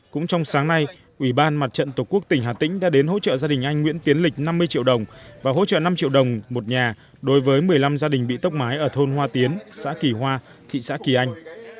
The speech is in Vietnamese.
cũng trong sáng nay ủy ban mặt trận tổ quốc tỉnh hà tĩnh đã đến hỗ trợ gia đình anh nguyễn tiến lịch năm mươi triệu đồng và hỗ trợ năm triệu đồng một nhà đối với một mươi năm gia đình bị tốc mái ở thôn hoa tiến xã kỳ hoa thị xã kỳ anh